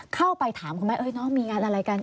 เข้าไปถามคุณแม่น้องมีงานอะไรกัน